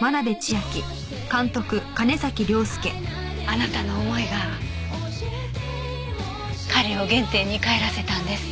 あなたの思いが彼を原点に返らせたんです。